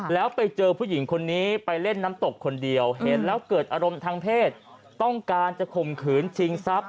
แล้วไปเจอผู้หญิงคนนี้ไปเล่นน้ำตกคนเดียวเห็นแล้วเกิดอารมณ์ทางเพศต้องการจะข่มขืนชิงทรัพย